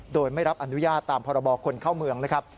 โดยไม่รับอนุญาตตามพรบคนเข้าเมืองนะครับ